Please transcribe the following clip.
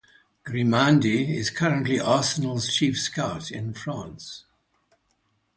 Grimandi is currently Arsenal's chief scout in France.